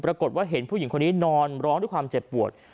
ปรากฏว่าเห็นผู้หญิงคนนี้นอนร้องด้วยความเจ็บปวด